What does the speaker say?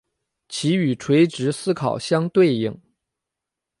其与垂直思考相对应。